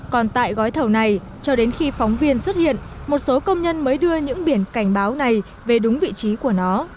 còn tại gói thầu này cho đến khi phóng viên xuất hiện một số công nhân mới đưa những biển cảnh báo này về đúng vị trí của nó